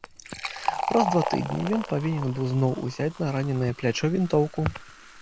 Праз два тыдні ён павінен быў зноў узяць на раненае плячо вінтоўку.